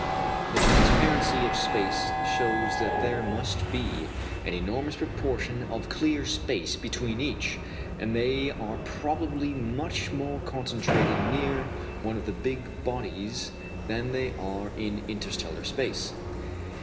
The transparency of space shows that there must be an enormous proportion of clear space between each, and they are probably much more concentrated near one of the big bodies than they are in interstellar space.